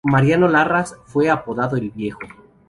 Mariano Larraz fue apodado el viejo.